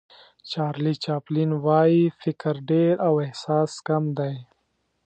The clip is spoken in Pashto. چارلي چاپلین وایي فکر ډېر او احساس کم دی.